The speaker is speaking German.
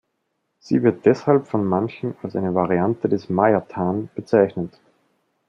Sie wird deshalb von manchen als eine Variante des Mayathan bezeichnet.